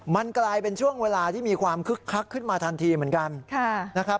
มันกลายเป็นช่วงเวลาที่มีความคึกคักขึ้นมาทันทีเหมือนกันนะครับ